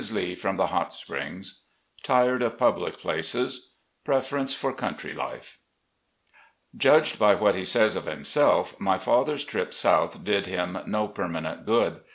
LEE PROM THE HOT SPRINGS — TIRED OP PUBLIC PLACES — PREPERENCE POR COUNTRY LIFE Judged by what he says of himself, my father's trip South did him no permanent good.